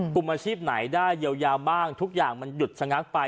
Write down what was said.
กลุ่มอาชีพไหนได้เยียวยาบ้างทุกอย่างมันหยุดชะงักไป